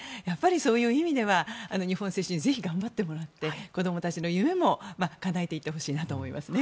そういう意味では日本の選手に頑張ってもらって子供たちの夢もかなえていってほしいなと思います。